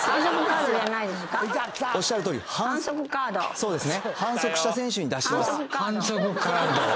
そうですね